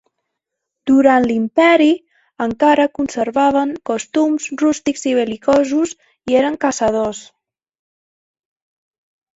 Durant l'imperi encara conservaven costums rústics i bel·licosos i eren caçadors.